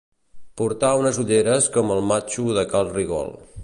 Portar unes ulleres com el matxo de cal Rigol.